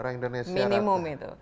iya minimum itu